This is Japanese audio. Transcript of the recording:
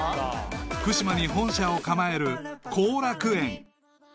［福島に本社を構える幸楽苑］